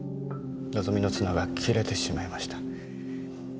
望みの綱が切れてしまいました。